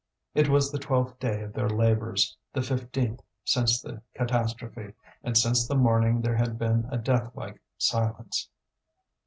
It was the twelfth day of their labours, the fifteenth since the catastrophe; and since the morning there had been a death like silence.